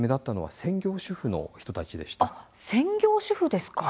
専業主婦ですか。